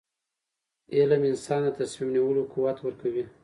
علم انسان ته د تصمیم نیولو قوت ورکوي.